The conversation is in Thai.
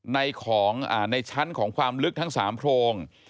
ในชั้นของความลึกทั้ง๓โพรง